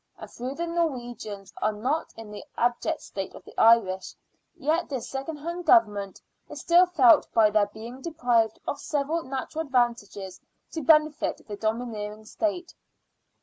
And though the Norwegians are not in the abject state of the Irish, yet this second hand government is still felt by their being deprived of several natural advantages to benefit the domineering state.